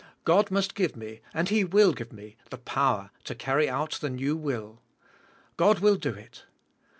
God must g"ive me, and He will g"ive me, the power to carry out the new will. God will do it.